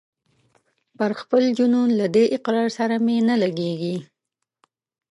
پر خپل جنون له دې اقرار سره مي نه لګیږي